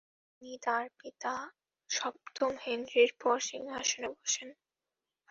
তিনি তার পিতা সপ্তম হেনরির পর সিংহাসনে বসেন।